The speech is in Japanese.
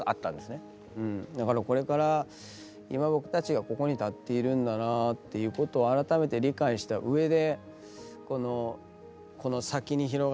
だからこれから今僕たちがここに立っているんだなっていうことを改めて理解したうえでこの先に広がる景色というんですかね